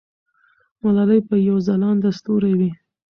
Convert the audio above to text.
ملالۍ به یو ځلانده ستوری وي.